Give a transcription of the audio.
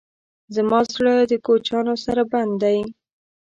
زما زړه د کوچیانو سره بند دی.